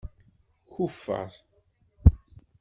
Kuffer.